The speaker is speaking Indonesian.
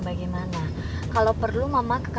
gak temenin semua mama